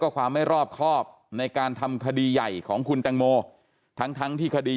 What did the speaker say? ความไม่รอบครอบในการทำคดีใหญ่ของคุณแตงโมทั้งทั้งที่คดี